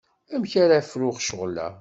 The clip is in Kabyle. Amek ara fruɣ ccɣel-a?